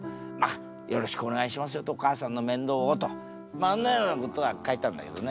まあそんなようなことは書いたんだけどね。